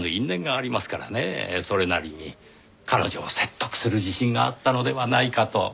それなりに彼女を説得する自信があったのではないかと。